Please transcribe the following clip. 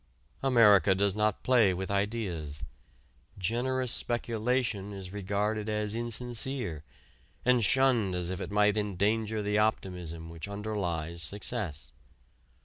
America does not play with ideas; generous speculation is regarded as insincere, and shunned as if it might endanger the optimism which underlies success.